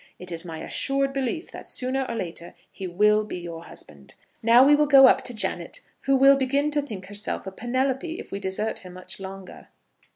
It is my assured belief that sooner or later he will be your husband. Now we will go up to Janet, who will begin to think herself a Penelope, if we desert her much longer."